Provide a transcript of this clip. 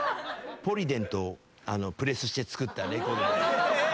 ポリデントをプレスして作ったレコード。